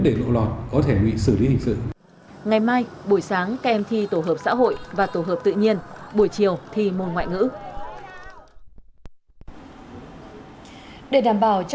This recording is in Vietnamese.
để đảm bảo cho kỳ thi tốt hơn các em phải tham gia tốt trong kỳ thi này